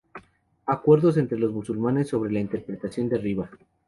Acuerdos entre los musulmanes sobre la interpretación de riba.